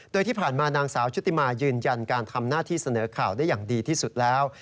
โดยที่ผ่านมานางสาวชุติมายืนยันการทำหน้าที่เสนอข่าวได้อย่างดีที่สุดแล้ว